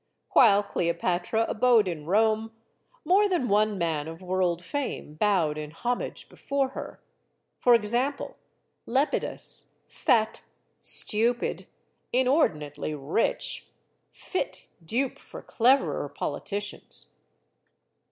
While Cleopatra abode in Rome, more than one man of world fame bowed in homage before her. For example, Lepidus fat, stupid, inordinately rich, 142 STORIES OF THE SUPER WOMEN fit dupe for cleverer politicians.